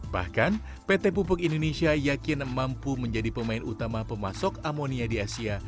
bahkan pt pupuk indonesia yakin mampu menjadi pemain utama pemasok amonia di asia